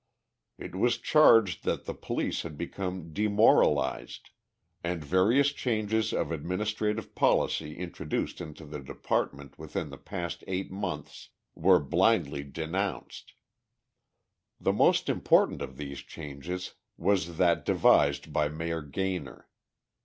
It was charged that the police had become "demoralized," and various changes of administrative policy introduced into the department within the past eight months were blindly denounced. The most important of these changes was that devised by Mayor Gaynor.